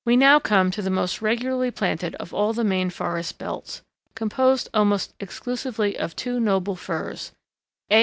] We come now to the most regularly planted of all the main forest belts, composed almost exclusively of two noble firs—_A.